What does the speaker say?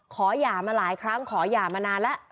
หย่ามาหลายครั้งขอหย่ามานานแล้ว